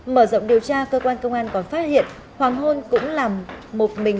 mở rộng điều tra cơ quan công an còn phát hiện hoàng hôn cũng là một mình